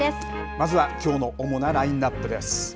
まずはきょうの主なラインナップです。